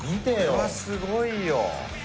これはすごいよ。